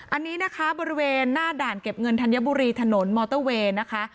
อันนี้นะคะบริเวณหน้าด่านเก็บเงินธัญบุรีถนนมอเตอร์เวย์นะคะ